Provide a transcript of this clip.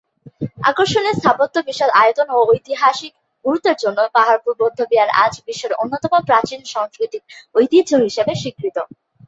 আকর্ষনীয় স্থাপত্য, বিশাল আয়তন ও ঐতিহাসিক গুরুত্বের জন্য পাহাড়পুর বৌদ্ধবিহার আজ বিশ্বের অন্যতম প্রাচীন সংস্কৃতিক ঐতিহ্য হিসাবে স্বীকৃত।